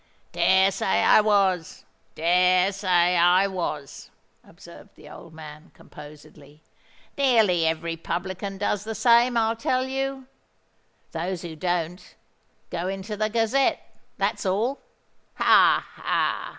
"Dare say I was—dare say I was," observed the old man, composedly. "Nearly every publican does the same, I tell you. Those who don't, go into the Gazette—that's all. Ha! ha!